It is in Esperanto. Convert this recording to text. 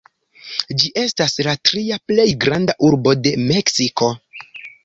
Ĝi estas la tria plej granda urbo de Meksiko.